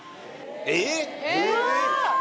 えっ！？